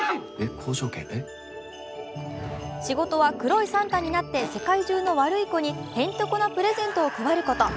仕事は黒いサンタになって世界中の悪い子にヘンテコなプレゼントを配ること。